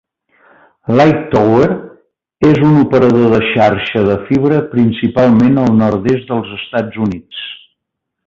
Lightower és un operador de xarxa de fibra principalment al nord-est dels Estats Units.